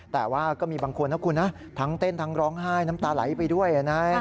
แต่ว่าก็มีบางคนนะคุณนะทั้งเต้นทั้งร้องไห้น้ำตาไหลไปด้วยนะ